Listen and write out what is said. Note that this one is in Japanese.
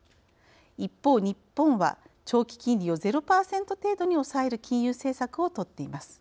一方日本は長期金利を０％程度に抑える金融政策をとっています。